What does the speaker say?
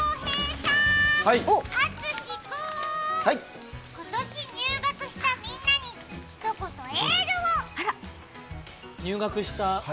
さーん淳史くーん、今年入学したみんなにひと言、エールを。